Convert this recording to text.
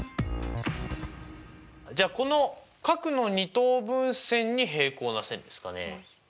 じゃこの角の二等分線に平行な線ですかねえ。